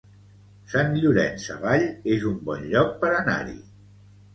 Sant Llorenç Savall es un bon lloc per anar-hi